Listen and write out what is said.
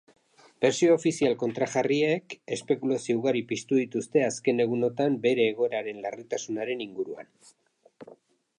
Bertsio ofizial kontrajarriek espekulazio ugari piztu dituzte azken egunotan bere egoeraren larritasunaren inguruan.